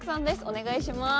お願いします。